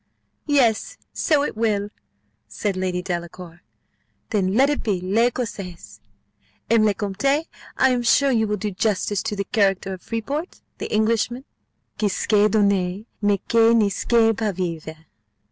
"Yes! so it will," said Lady Delacour: "then let it be L'Ecossaise. M. le Comte I am sure will do justice to the character of Friport the Englishman, 'qui scait donner, mais qui ne scait pas vivre.